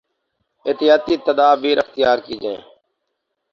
احتیاطی تدابیراختیار کی جائیں